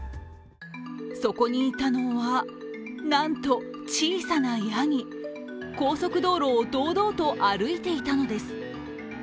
そこにいたのは、なんと小さなやぎ高速道路を堂々と歩いていたのです。